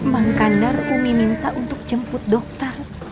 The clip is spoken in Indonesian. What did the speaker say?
bang kandar umi minta untuk jemput dokter